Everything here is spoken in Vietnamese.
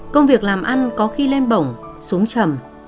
công việc làm ăn có khi lên bổng xuống trầm